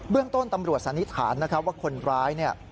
เบื้องต้นตำรวจสานิทธาณณ์ว่าคนร้าย